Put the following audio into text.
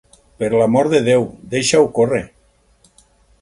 Per l'amor de Déu, deixa-ho córrer.